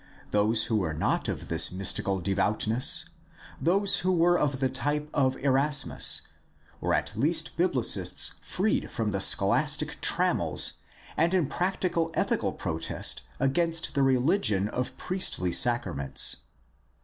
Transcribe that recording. Those who were not of this mystical devout ness, those who were of the type of Erasmus, were at least biblicists freed from the scholastic trammels and in practical ethical protest against the religion of priestly sacraments.